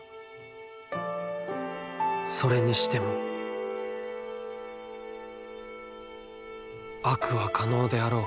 「それにしても悪は可能であろうか？」。